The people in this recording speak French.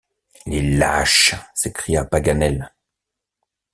Les lâches! s’écria Paganel.